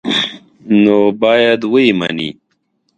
نو باید ویې مني.